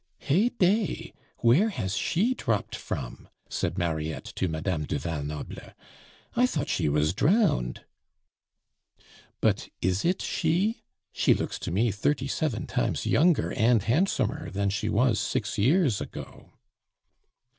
"Heyday! where has she dropped from?" said Mariette to Madame du Val Noble. "I thought she was drowned." "But is it she? She looks to me thirty seven times younger and handsomer than she was six years ago."